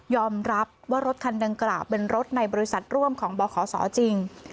รับว่ารถคันดังกล่าวเป็นรถในบริษัทร่วมของบขศจริง